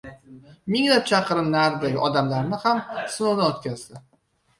Minglab chaqirim naridagi odamlarni ham sinovdan o'tkazdi.